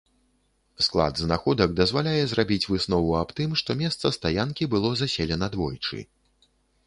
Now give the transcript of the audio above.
Склад знаходак дазваляе зрабіць выснову аб тым, што месца стаянкі было заселена двойчы.